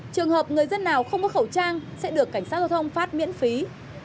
trường hợp người dân nào không có khẩu trang sẽ được cảnh sát giao thông phát miễn phí